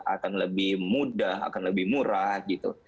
akan lebih mudah akan lebih murah gitu